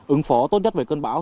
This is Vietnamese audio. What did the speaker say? ứng phó tốt nhất với cơn bão